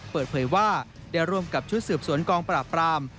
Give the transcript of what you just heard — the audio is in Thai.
เปิดเผยว่าได้ร่วมกับชุดสืบสวนกองปราบราม